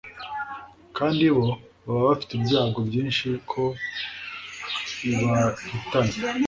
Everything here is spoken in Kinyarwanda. kandi bo baba bafite ibyago byinshi ko ibahitana